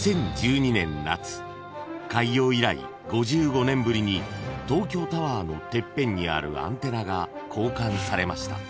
［開業以来５５年ぶりに東京タワーのてっぺんにあるアンテナが交換されました］